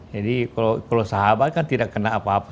kalau sahabat kan tidak kena apa apa